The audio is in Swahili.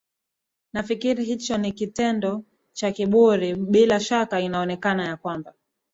nafikiri hicho ni kite kitendo cha kiburi bila shaka inaonekana ya kwamba